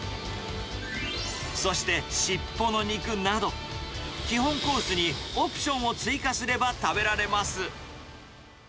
そして尻尾の肉など、基本コースにオプションを追加すれば食べられます。